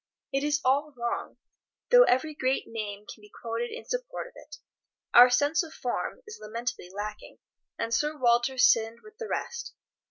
It is all wrong, though every great name can be quoted in support of it. Our sense of form is lamentably lacking, and Sir Walter sinned with the rest.